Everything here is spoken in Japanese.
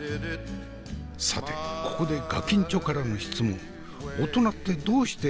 さてここでガキンチョからの質問。